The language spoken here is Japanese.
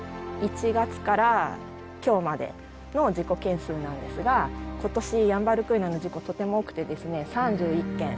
１月から今日までの事故件数なんですが今年ヤンバルクイナの事故とても多くてですね３１件。